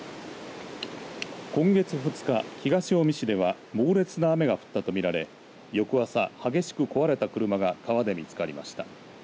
今月２日、東近江市では猛烈な雨が降ったと見られ翌朝、激しく壊れた車が川で見つかりました。